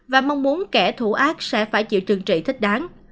và mong muốn kẻ thù ác sẽ phải chịu trừng trị thích đáng